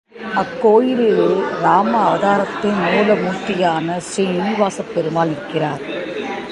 அக்கோயிலிலே ராமாவதாரத்தின் மூலமூர்த்தியான ஸ்ரீநிவாசப் பெருமாள் நிற்கிறார்.